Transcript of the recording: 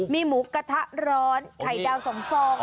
มีหมูกระทะร้อนไข่ดาว๒ซองแบบนี้